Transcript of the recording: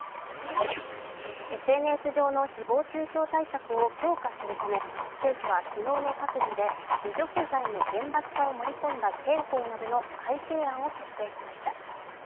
ＳＮＳ上の誹謗中傷対策を強化するため政府は昨日の閣議で侮辱罪の厳罰化を盛り込んだ刑法などの改正案を決定しました。